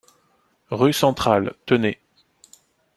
Rue Centrale, Tenay